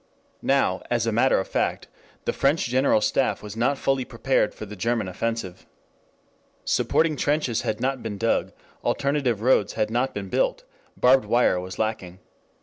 Now, as a matter of fact, the French General Staff was not fully prepared for the German offensive. Supporting trenches had not been dug, alternative roads had not been built, barbed wire was lacking.